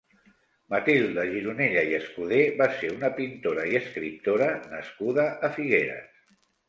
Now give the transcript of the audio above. Matilde Gironella i Escuder va ser una pintora i escriptora nascuda a Figueres.